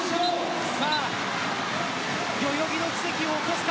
さあ、代々木の奇跡を起こすか。